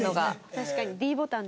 確かにｄボタンで。